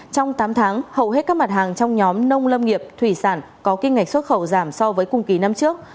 trong tám tháng hầu hết các mặt hàng trong nhóm nông lâm nghiệp thủy sản có kim ngạch xuất khẩu giảm so với cùng kỳ năm trước